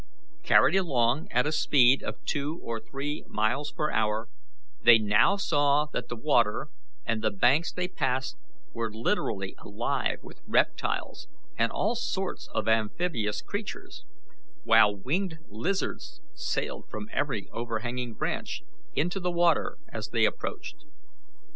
Carried along at a speed of two or three miles an hour, they now saw that the water and the banks they passed were literally alive with reptiles and all sorts of amphibious creatures, while winged lizards sailed from every overhanging branch into the water as they approached.